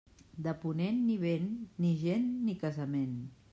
De ponent, ni vent, ni gent, ni casament.